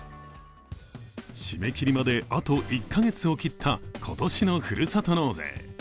締め切りまであと１カ月を切った、今年のふるさと納税。